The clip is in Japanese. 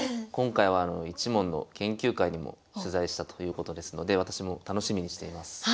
今回は一門の研究会にも取材したということですので私も楽しみにしています。